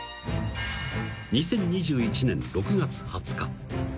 ［２０２１年６月２０日］